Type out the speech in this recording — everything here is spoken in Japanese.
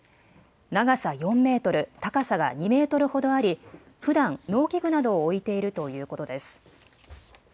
長さ４メートル、高さが２メートルほどありふだん農機具などを置いているということです。